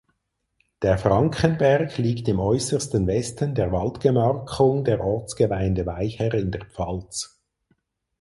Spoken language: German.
Der Frankenberg liegt im äußersten Westen der Waldgemarkung der Ortsgemeinde Weyher in der Pfalz.